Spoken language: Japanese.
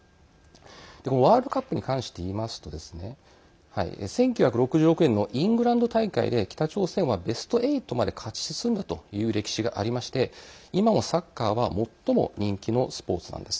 このワールドカップに関していいますと１９６６年のイングランド大会で北朝鮮はベスト８まで勝ち進んだという歴史がありまして今もサッカーは最も人気のスポーツなんです。